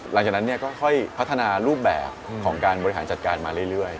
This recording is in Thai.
หลังจากนั้นก็ค่อยพัฒนารูปแบบของการบริหารจัดการมาเรื่อย